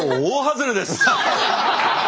大外れです。